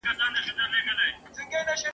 دا زيږې زيږې خبري ..